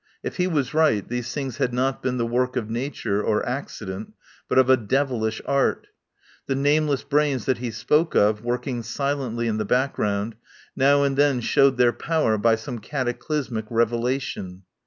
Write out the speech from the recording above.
If he was right, these things had not been the work of Nature or accident, but of a devilish art. The nameless brains that he spoke of, working silently in the background, now and then showed their power by some cataclysmic revelation.